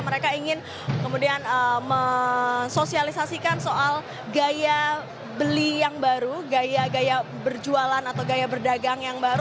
mereka ingin kemudian mensosialisasikan soal gaya beli yang baru gaya gaya berjualan atau gaya berdagang yang baru